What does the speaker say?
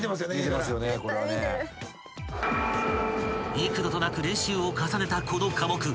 ［幾度となく練習を重ねたこの科目］